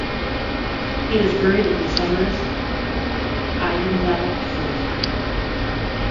He is buried in Somers' Ivandell Cemetery.